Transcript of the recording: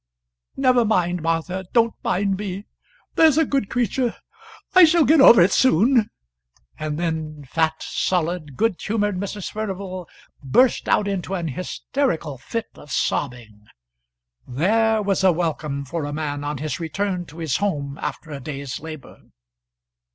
Never mind, Martha, don't mind me, there's a good creature. I shall get over it soon;" and then fat, solid, good humoured Mrs. Furnival burst out into an hysterical fit of sobbing. There was a welcome for a man on his return to his home after a day's labour!